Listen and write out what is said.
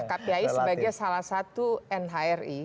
kpi sebagai salah satu nhri